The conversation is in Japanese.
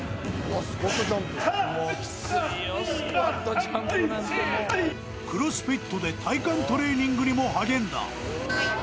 １２３４クロスフィットで体幹トレーニングにも励んだ